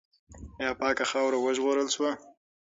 آیا پاکه خاوره وژغورل سوه؟